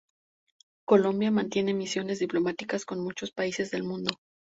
Colombia mantiene misiones diplomáticas con muchos países del mundo.